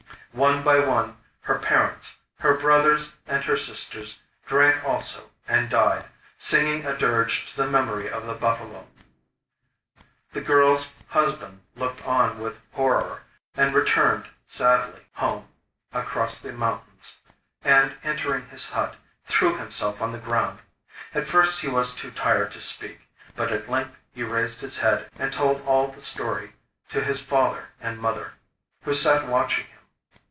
One by one her parents, her brothers and her sisters, drank also and died, singing a dirge to the memory of the buffalo. The girl's husband looked on with horror; and returned sadly home across the mountains, and, entering his hut, threw himself on the ground. At first he was too tired to speak; but at length he raised his head and told all the story to his father and mother, who sat watching him.